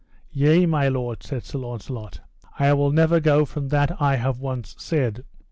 Yea, my lord, said Sir Launcelot, I will never go from that I have once said.